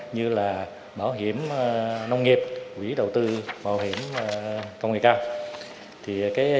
như là bảo hiểm nông nghiệp quỹ đầu tư bảo hiểm công nghệ cao